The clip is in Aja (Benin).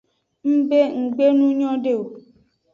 Ng be nggbe nu nyode o.